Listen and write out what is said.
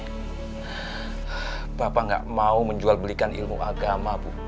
bapak nggak mau menjual belikan ilmu agama bu